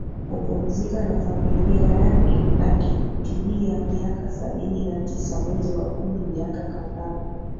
kupumzika na familia yake akitimia miaka sabini na tisa mwezi wa kumi miaka kadhaa